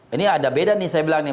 ini ada beda nih saya bilang nih